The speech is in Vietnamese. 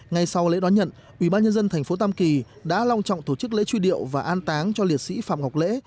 ngay sau lễ đón nhận ubnd tp tam kỳ đã long trọng tổ chức lễ truy điệu và an táng cho liệt sĩ phạm ngọc lễ